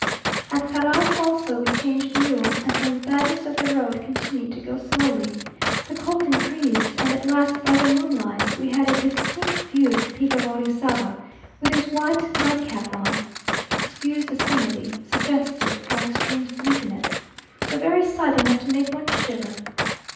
At Carral falso we changed mules, and from the badness of the road, continued to go slowly. The cold increased, and at last by the moonlight, we had a distinct view of the Peak of Orizava, with his white nightcap on (excuse the simile, suggested by extreme sleepiness), the very sight enough to make one shiver.